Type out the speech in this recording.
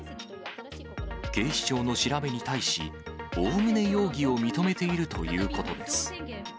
警視庁の調べに対し、おおむね容疑を認めているということです。